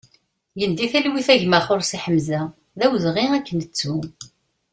Gen di talwit a gma Xorsi Ḥemza, d awezɣi ad k-nettu!